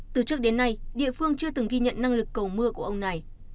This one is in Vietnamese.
từ trước đến nay địa phương chưa từng ghi nhận năng lực cầu mưa của ông này